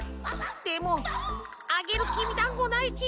でもあげるきびだんごないし。